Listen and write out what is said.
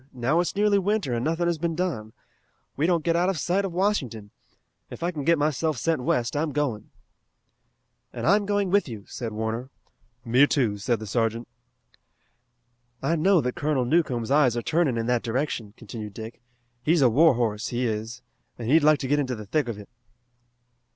Now it's nearly winter, and nothing has been done. We don't get out of sight of Washington. If I can get myself sent west I'm going." "And I'm going with you," said Warner. "Me, too," said the sergeant. "I know that Colonel Newcomb's eyes are turning in that direction," continued Dick. "He's a war horse, he is, and he'd like to get into the thick of it."